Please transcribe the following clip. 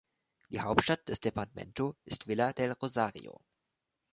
Die Hauptstadt des Departamento ist Villa del Rosario.